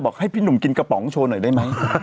ให้พี่หนุ่มกินกระป๋องโชว์หน่อยได้ไหม